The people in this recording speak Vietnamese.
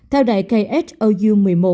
theo đại khou